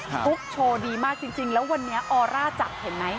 ฟุ๊กโชว์ดีมากจริงแล้ววันนี้ออร่าจับเห็นไหม